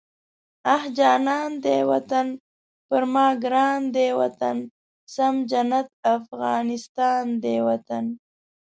اخ جانان دی وطن، پر ما ګران دی وطن، سم جنت افغانستان دی وطن